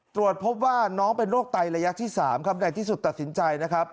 ตรวจพบว่าน้องเป็นโรคไตระยะที่๓ครับในที่สุดตัดสินใจนะครับ